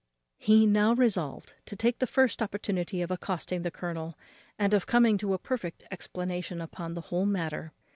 He now resolved to take the first opportunity of accosting the colonel, and of coming to a perfect explanation upon the whole matter.